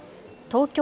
東京